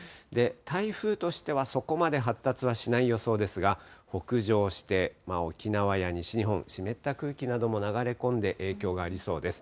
台風としてはそこまで発達はしない予想ですが、北上して、沖縄や西日本、湿った空気なども流れ込んで、影響がありそうです。